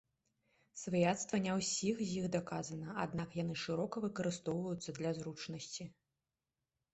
Сваяцтва не ўсіх з іх даказана, аднак яны шырока выкарыстоўваюцца для зручнасці.